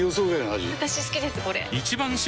私好きですこれ！